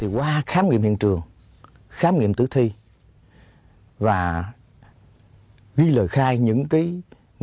qua khám nghiệm hiện trường khám nghiệm tử thi và ghi lời khai những người nhân chứng biết việc chúng tôi có nhỏ định